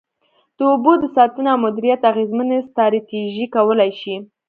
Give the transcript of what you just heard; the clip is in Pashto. د اوبو د ساتنې او مدیریت اغیزمنې ستراتیژۍ کولای شي.